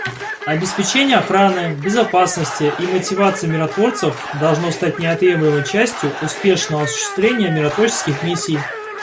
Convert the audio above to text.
Обеспечение охраны, безопасности и мотивации миротворцев должно стать неотъемлемой частью успешного осуществления миротворческих миссий.